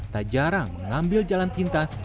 tak jarang mengambil jalan pintas